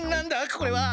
これは！